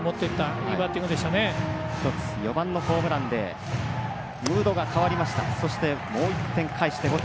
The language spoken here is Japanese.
４番のホームランでムードが変わりました。